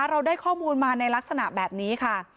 เราได้ข้อมูลมาในลักษณะแบบนี้ค่ะ